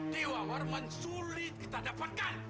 dewa warman sulit kita dapatkan